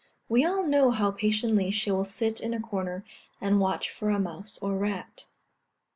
We all know how patiently she will sit in a corner, and watch for a mouse or rat.